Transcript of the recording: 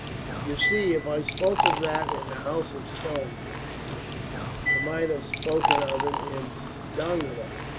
"You see if I spoke of that in the House of Stone," he exclaimed, "I might have spoken of it in Dongola.